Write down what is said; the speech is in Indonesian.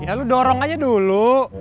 ya lu dorong aja dulu